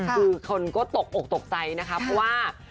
คือคนก็ตกอกตกใจนะครับว่า